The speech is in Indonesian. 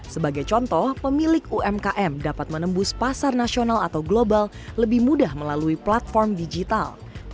sebagai contoh pemilik umkm dapat menembus pasar nasional atau global lebih mudah melalui platform digital